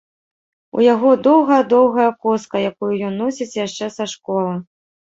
У яго доўгая-доўгая коска, якую ён носіць яшчэ са школы.